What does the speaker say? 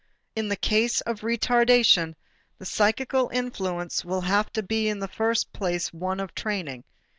In the case of retardation, the psychical influence will have to be in the first place one of training.